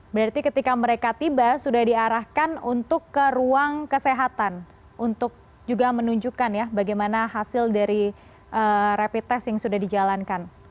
berarti ketika mereka tiba sudah diarahkan untuk ke ruang kesehatan untuk juga menunjukkan ya bagaimana hasil dari rapid test yang sudah dijalankan